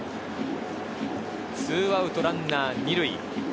２アウトランナー２塁。